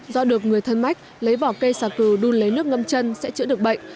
do được người thân mách lấy vỏ cây xà cừu đun lấy nước ngâm chân sẽ chữa được bệnh